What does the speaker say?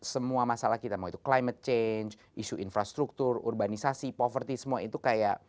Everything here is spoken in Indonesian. semua masalah kita mau itu climate change isu infrastruktur urbanisasi poverty semua itu kayak